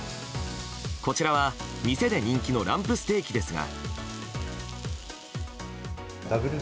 こちらは店で人気のランプステーキですが。